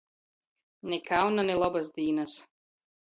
Ni kauna, ni lobys dīnys.